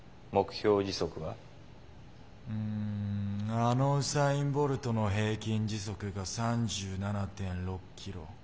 あのウサイン・ボルトの平均時速が３７．６ｋｍ。